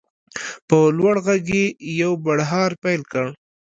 په لوړ غږ یې یو بړهار پیل کړ.